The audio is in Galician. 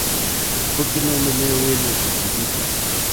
¿Por que non nomeou el un substituto?